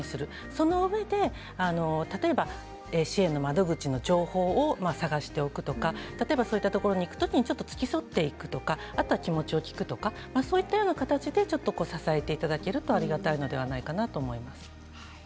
そのうえで例えば支援の窓口の情報を探しておくとかそういうところに行く時に付き添って行くとか気持ちを聞くとかそういう形でちょっと支えていただけるとありがたいのではないかと思います。